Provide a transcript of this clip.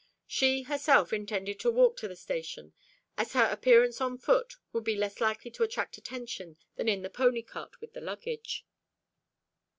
She herself intended to walk to the station, as her appearance on foot would be less likely to attract attention than in the pony cart with the luggage.